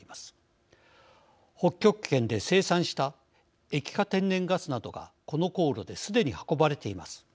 北極圏で生産した液化天然ガスなどがこの航路ですでに運ばれています。